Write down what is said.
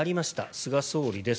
菅総理です。